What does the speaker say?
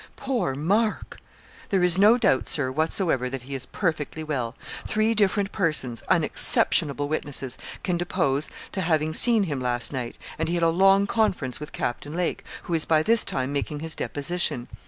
Poor Mark!' 'There is no doubt, Sir, whatsoever that he is perfectly well. Three different persons unexceptionable witnesses can depose to having seen him last night, and he had a long conference with Captain Lake, who is by this time making his deposition.